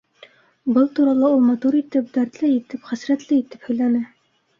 Был турала ул матур итеп, дәртле итеп, хәсрәтле итеп һөйләне.